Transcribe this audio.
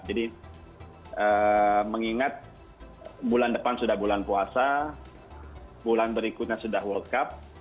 jadi mengingat bulan depan sudah bulan puasa bulan berikutnya sudah world cup